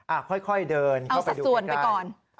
อ่าค่อยเดินเข้าใจเข้าใจเอาสักส่วนไปก่อน